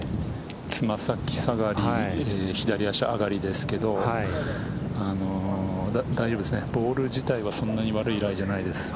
爪先下がり左足上がりですけど大丈夫ですねボール自体はそんなに悪いライじゃないです。